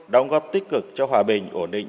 đồng góp tích cực cho hòa bình ổn định